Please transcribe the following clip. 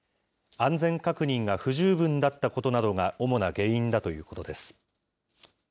安全確認が不十分だったことなどが主な原因だということです。